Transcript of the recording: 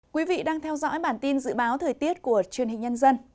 quý vị đang theo dõi bản tin dự báo thời tiết của truyền hình nhân dân